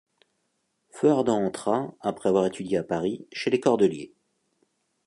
Feuardent entra, après avoir étudié à Paris, chez les cordeliers.